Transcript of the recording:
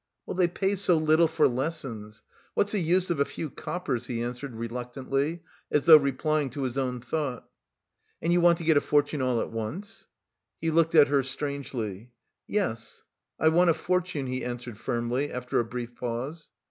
"They pay so little for lessons. What's the use of a few coppers?" he answered, reluctantly, as though replying to his own thought. "And you want to get a fortune all at once?" He looked at her strangely. "Yes, I want a fortune," he answered firmly, after a brief pause.